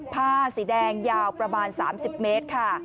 ผ้าสีแดงยาวประมาณ๓๐เมตรค่ะ